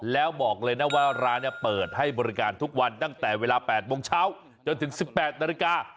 แล้วบอกเลยนะว่าร้านเปิดให้บริการทุกวันตั้งแต่เวลา๘โมงเช้าจนถึง๑๘นาฬิกา